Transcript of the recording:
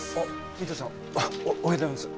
三津谷さんおはようございます。